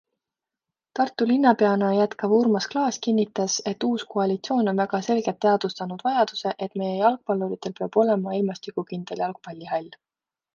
Tartu linnapeana jätkav Urmas Klaas kinnitas, et uus koalitsioon on väga selgelt teadvustanud vajaduse, et meie jalgpalluritel peab olema ilmastikukindel jalgpallihall.